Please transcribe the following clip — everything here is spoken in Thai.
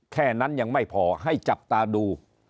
แค่นั้นยังไม่พอให้จับตาดู